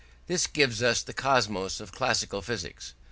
This gives us the cosmos of classical physics.